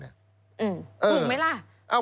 ถูกไหมล่ะ